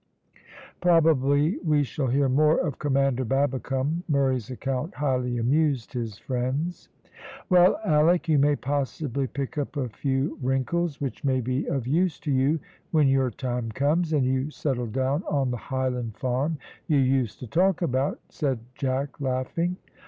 Probably, we shall hear more of Commander Babbicome. Murray's account highly amused his friends. "Well, Alick, you may possibly pick up a few wrinkles which may be of use to you when your time comes, and you settle down on the Highland farm you used to talk about," said Jack, laughing.